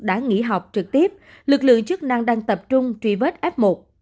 đã nghỉ học trực tiếp lực lượng chức năng đang tập trung truy vết f một